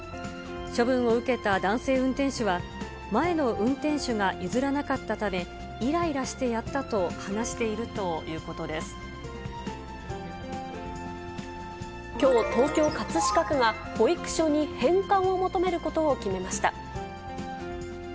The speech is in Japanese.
処分を受けた男性運転手は、前の運転手が譲らなかったため、いらいらしてやったと話しているきょう、東京・葛飾区が保育所に返還を求めることを決めました。